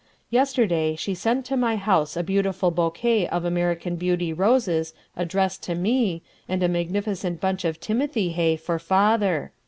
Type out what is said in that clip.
Yesterday she sent to my house a beautiful bouquet of American Beauty roses addressed to me, and a magnificent bunch of Timothy Hay for father.